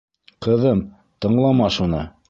Ҡыҙым, тыңлама шуны.